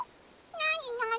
なになに？